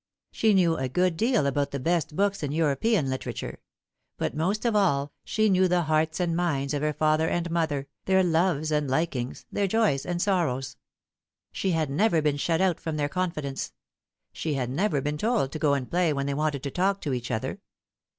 She knew a good deal about the best books in European literature ; but, most of all, she knew the hearts and minds of her father and mother, their loves and likings, their joys and sorrows. She had never been shut out from their confidence ; she had never been told to go and play when they wanted to talk to each other.